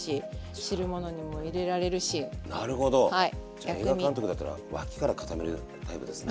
じゃあ映画監督だったら脇からかためるタイプですね。